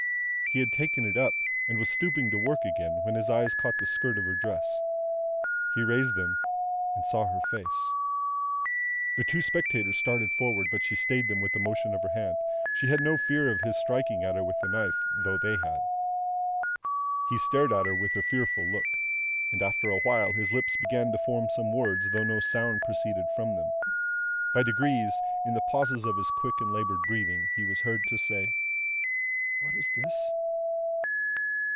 He had taken it up, and was stooping to work again, when his eyes caught the skirt of her dress. He raised them, and saw her face. The two spectators started forward, but she stayed them with a motion of her hand. She had no fear of his striking at her with the knife, though they had. He stared at her with a fearful look, and after a while his lips began to form some words, though no sound proceeded from them. By degrees, in the pauses of his quick and laboured breathing, he was heard to say: "What is this?"